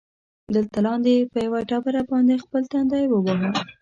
دلته لاندې، په یوه ډبره باندې خپل تندی ووهه.